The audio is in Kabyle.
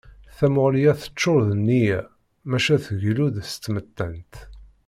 Tamuɣli-a teččur d nniya, maca tgellu-d s tmettant.